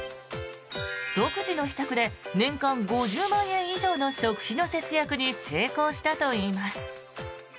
独自の秘策で年間５０万円以上の食費の節約に成功したといいます。